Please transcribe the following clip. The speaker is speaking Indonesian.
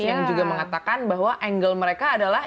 yang juga mengatakan bahwa angle mereka adalah